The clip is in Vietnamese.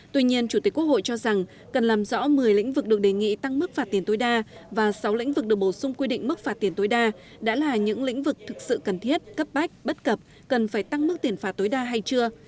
tuy nhiên chủ tịch quốc hội cho rằng cần làm rõ một mươi lĩnh vực được đề nghị tăng mức phạt tiền tối đa và sáu lĩnh vực được bổ sung quy định mức phạt tiền tối đa đã là những lĩnh vực thực sự cần thiết cấp bách bất cập cần phải tăng mức tiền phạt tối đa hay chưa